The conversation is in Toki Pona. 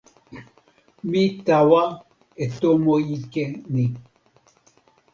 mi tawa e tomo ike ni.